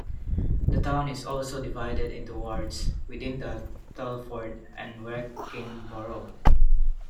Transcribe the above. The town is also divided into Wards, within the Telford and Wrekin borough.